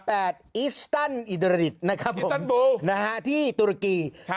แปดอิสตาลอิตราดิสนะครับผมนะฮะที่ตุรกีครับ